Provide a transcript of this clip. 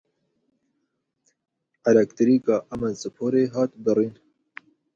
Elektrîka Amedsporê hat birîn.